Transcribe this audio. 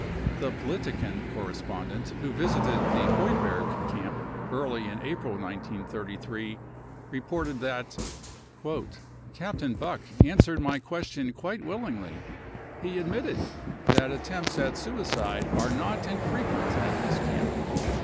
The Politiken correspondent who visited the Heuberg camp early in April 1933 reported that :* THE CONGE N.TRATION CAMPS 309 <e Captain Buck answered my question quite willingly. He admitted that attempts at suicide are not infre quent at this camp.